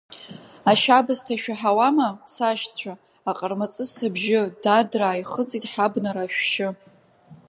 Ашьабысҭа ишәаҳауама, сашьцәа, Аҟармаҵыс абжьы, дадраа, ихыҵит ҳабнара ашәшьы…